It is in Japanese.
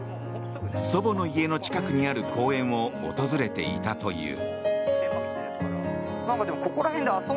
祖母の家の近くにある公園を訪れていたという。